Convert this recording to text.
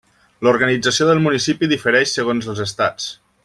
L'organització del municipi difereix segons els estats.